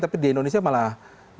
tapi di indonesia malah